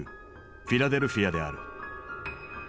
フィラデルフィアである。